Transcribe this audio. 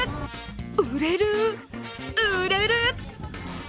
売れる、売れる！